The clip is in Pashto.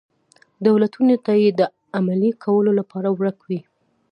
دولتونو ته یې د عملي کولو لپاره ورک وي.